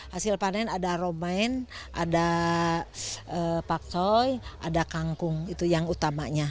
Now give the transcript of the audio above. hasil panen ada romain ada paksoi ada kangkung itu yang utamanya